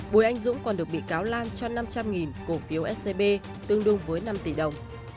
bùi anh dũng còn được bị cáo lan cho năm trăm linh cổ phiếu scb tương đương với năm tỷ đồng